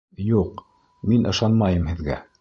Юҡ, мин ышанмайым һеҙгә!